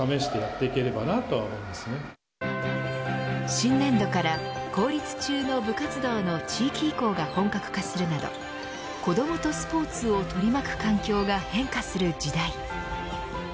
新年度から公立中の部活動の地域移行が本格化するなど子どもとスポーツを取り巻く環境が変化する時代。